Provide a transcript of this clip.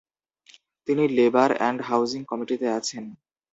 তিনি labour and housing কমিটিতে আছেন।